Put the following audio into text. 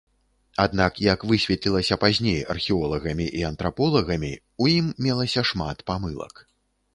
Аднак, як высветлілася пазней археолагамі і антраполагамі, у ім мелася шмат памылак.